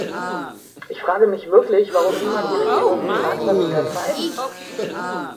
Ich frage mich wirklich, warum niemand die Regierungen fragt, was sie da treiben.